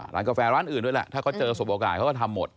กาแฟร้านอื่นด้วยแหละถ้าเขาเจอสบโอกาสเขาก็ทำหมด